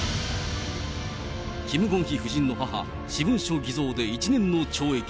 キム・ゴンヒ夫人の母、私文書偽造で１年の懲役。